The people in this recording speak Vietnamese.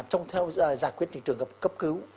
trong giải quyết những trường hợp cấp cứu